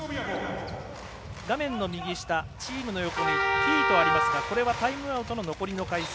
画面右下、チームの横にＴとありますがこれはタイムアウトの残りの回数。